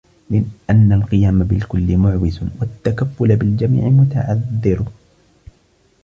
لِأَنَّ الْقِيَامَ بِالْكُلِّ مُعْوِزٌ وَالتَّكَفُّلَ بِالْجَمِيعِ مُتَعَذِّرٌ